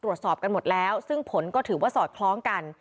ตรวจสอบกันหมดแล้วซึ่งผลก็ถือว่าสอดคล้องกัน